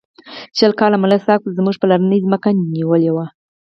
شل کاله ملک صاحب زموږ پلرنۍ ځمکه نیولې وه.